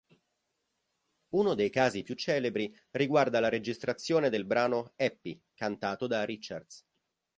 Uno dei casi più celebri riguarda la registrazione del brano "Happy", cantato da Richards.